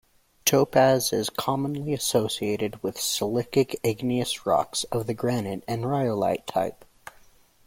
Topaz is commonly associated with silicic igneous rocks of the granite and rhyolite type.